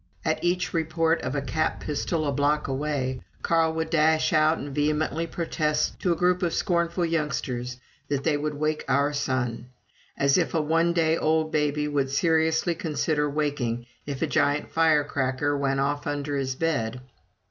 At each report of a cap pistol a block away, Carl would dash out and vehemently protest to a group of scornful youngsters that they would wake our son. As if a one day old baby would seriously consider waking if a giant fire cracker went off under his bed!